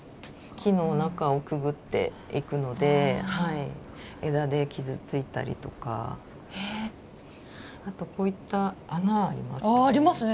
木の中をくぐっていくので枝で傷ついたりとかあとこういった穴ありますよね。